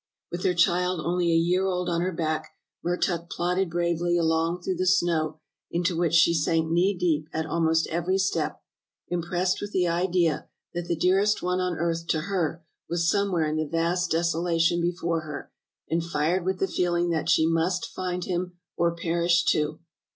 "With her child only a year old on her back, Mertuk plodded bravely along through the snow, into which she sank knee deep at almost every step, impressed with the idea that the dearest one on earth to her was somewhere in the vast desolation before her, and fired with the feeling that she must find him or perish too.